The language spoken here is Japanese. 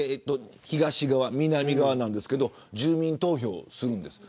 東側、南側なんですけれど住民投票をするんです。